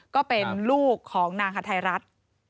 ก็เป็นลูกของนางฮาไทยรัฐ